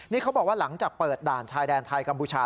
นี่เขาบอกว่าหลังจากเปิดด่านชายแดนไทยกัมพูชา